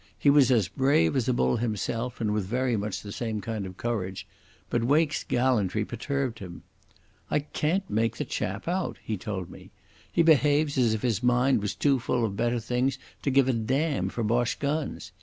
He was as brave as a bull himself, and with very much the same kind of courage; but Wake's gallantry perturbed him. "I can't make the chap out," he told me. "He behaves as if his mind was too full of better things to give a damn for Boche guns.